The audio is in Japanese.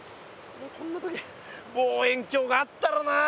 こんな時に望遠鏡があったらなあ。